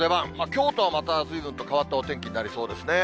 きょうとはまたずいぶんと変わったお天気になりそうですね。